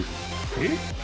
えっ？